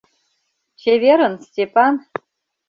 Чеверын, Степан!